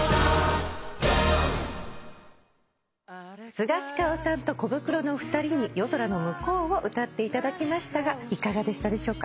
スガシカオさんとコブクロのお二人に『夜空ノムコウ』を歌っていただきましたがいかがでしたでしょうか？